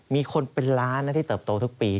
มีคนเป็นล้านนะที่เติบโตทุกปี